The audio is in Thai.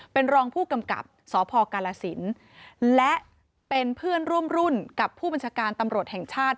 เป็นรองผู้กำกับสพกาลสินและเป็นเพื่อนร่วมรุ่นกับผู้บัญชาการตำรวจแห่งชาติ